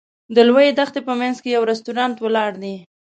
د لویې دښتې په منځ کې یو رسټورانټ ولاړ دی.